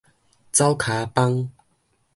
走跤枋